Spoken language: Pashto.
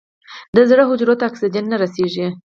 د زړه حجرو ته اکسیجن نه رسېږي.